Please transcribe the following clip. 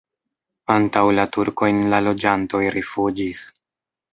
Antaŭ la turkojn la loĝantoj rifuĝis.